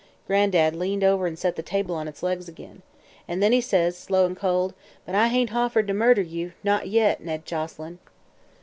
"Gran'dad leaned over an' set the table on its legs ag'in. An' then he says slow an' cold: 'But I hain't offered to murder you; not yet, Ned Joselyn!'